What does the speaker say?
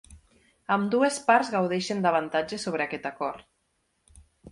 Ambdues parts gaudeixen d'avantatges sobre aquest acord.